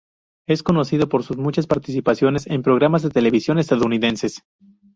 Es conocido por sus muchas participaciones en programas de televisión estadounidenses.